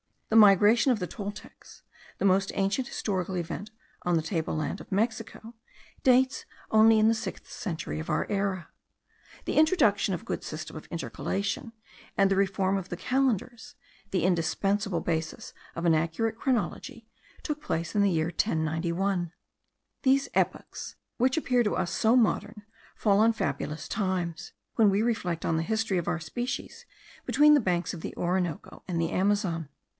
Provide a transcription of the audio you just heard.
The migration of the Toltecs, the most ancient historical event on the tableland of Mexico, dates only in the sixth century of our era. The introduction of a good system of intercalation, and the reform of the calendars, the indispensable basis of an accurate chronology, took place in the year 1091. These epochs, which to us appear so modern, fall on fabulous times, when we reflect on the history of our species between the banks of the Orinoco and the Amazon.